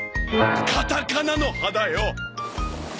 カタカナの「ハ」だよ！